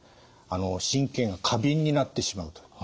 神経が過敏になってしまうと。